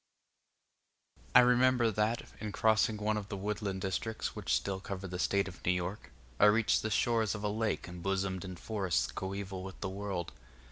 I remember that, in crossing one of the woodland districts which still cover the State of New York, I reached the shores of a lake embosomed in forests coeval with the world.